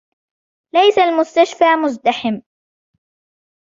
ليس المستشفى مزدحم.